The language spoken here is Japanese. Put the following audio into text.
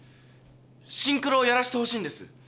シンクロをやらしてほしいんです。